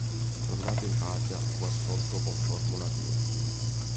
Tornato in patria, fu assolto con formula piena.